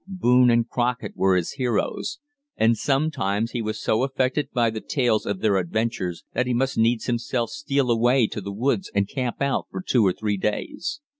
Boone and Crockett were his heroes, and sometimes he was so affected by the tales of their adventures that he must needs himself steal away to the woods and camp out for two or three days.